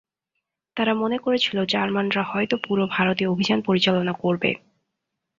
তারা মনে করেছিলো জার্মানরা হয়তো পুরো ভারতে অভিযান পরিচালনা করবে।